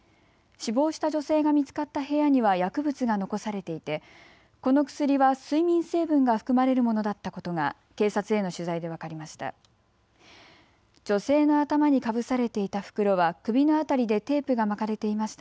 死亡した女性が見つかった部屋には薬物が残されていてこの薬は睡眠成分が含まれるものだったことが警察への取材で分かりました。